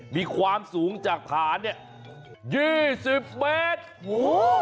มีความสูงจากฐานเนี่ยยี่สิบเมตรโอ้โห